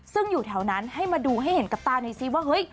ซึ่งอยู่แถวนั้นให้มาดูให้เห็นกับตาหน่อยซิว่าเฮ้ย